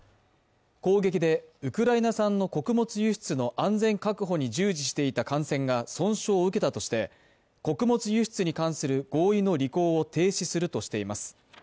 攻撃でウクライナ産の穀物輸出の安全確保に従事していた艦船が損傷を受けたとして、穀物輸出に関する合意の履行を停止するとしています。